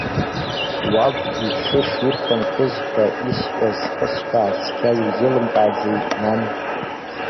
Уаб иҽы ширхынҳәыз ҳәа исҳәаз зхысҳәааз цқьа иузеилымкааӡеи, нан?